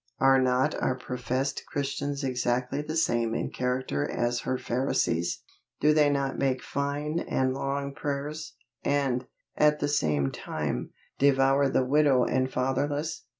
Are not our professed Christians exactly the same in character as her Pharisees? Do they not make fine and long prayers, and, at the same time, devour the widow and fatherless?